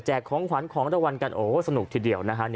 แจกของขวัญของตลาดวันกันโอ้สนุกทีเดียวนะฮะ